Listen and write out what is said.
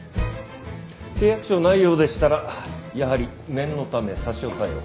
契約書がないようでしたらやはり念のため差し押さえを。